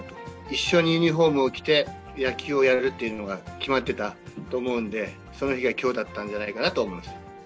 一緒にユニホームを着て、野球をやるというのが決まってたと思うんで、その日がきょうだったんじゃないかなと思います。